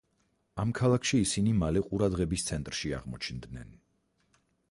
ამ ქალაქში ისინი მალე ყურადღების ცენტრში აღმოჩნდნენ.